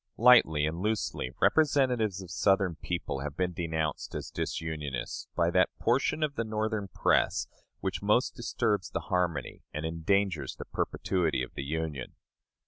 Lightly and loosely, representatives of Southern people have been denounced as disunionists by that portion of the Northern press which most disturbs the harmony and endangers the perpetuity of the Union.